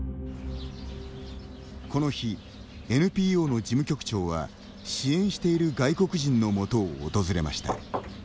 この日、ＮＰＯの事務局長は支援している外国人のもとを訪れました。